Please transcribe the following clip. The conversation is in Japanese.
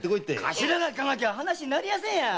頭が行かなきゃ話になりません。